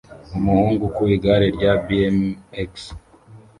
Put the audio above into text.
Umuhungu ku igare rya BMX